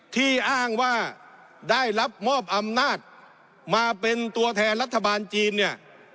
ที่อ้างว่าได้รับมอบอำนาจมาเป็นตัวแทนรัฐบาลจีนเนี่ย